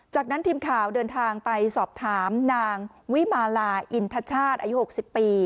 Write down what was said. จากนั้นทีมข่าวเดินทางไปสอบถามนางวิมาลาอินทชาติอายุ๖๐ปี